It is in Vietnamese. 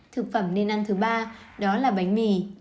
thực phẩm nên ăn thứ ba đó là bánh mì